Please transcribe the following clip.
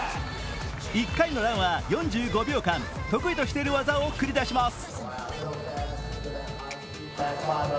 １回のランは４５秒間、得意としている技を繰り出します。